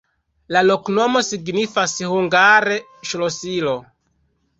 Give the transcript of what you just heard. La loknomo signifas hungare: ŝlosilo.